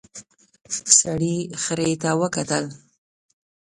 سړي خرې ته وکتل.